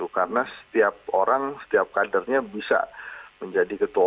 karena setiap orang setiap kadernya bisa menjadi ketua